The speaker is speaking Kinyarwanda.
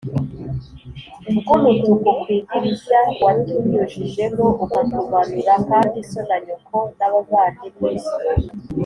Bw umutuku ku idirishya watunyujijemo ukatumanura kandi so na nyoko n abavandimwe